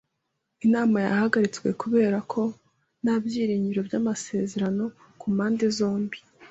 Inama yahagaritswe kubera ko nta byiringiro by’amasezerano ku mpande zombi.